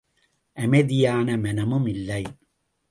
அமைதியான மனமும் இல்லை.